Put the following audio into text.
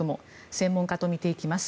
専門家とみていきます。